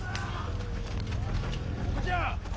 どこじゃ！